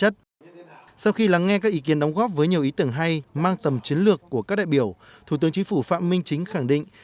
đóng góp với nhiều ý tưởng hay mang tầm chiến lược của các đại biểu thủ tướng chính phủ phạm minh chính khẳng định